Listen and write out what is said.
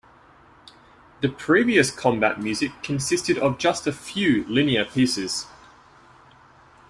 The previous combat music consisted of just a few linear pieces.